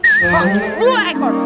hah dua ekor